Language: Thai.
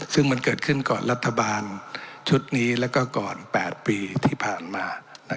ซึ่งมันเกิดขึ้นก่อนรัฐบาลชุดนี้แล้วก็ก่อน๘ปีที่ผ่านมา